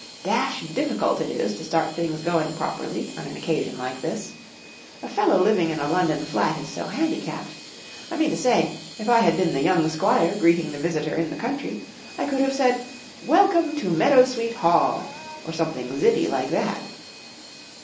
Dashed difficult it is to start things going properly on an occasion like this, A fellow living in a London flat is so handicapped. 1 mean to say, if I had been the young squire greeting the visitor in the country, I could have said 11 Welcome to Meadowsweet Hall !" or something zippy like that.